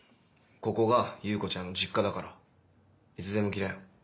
ここが優子ちゃんの実家だからいつでも来なよ。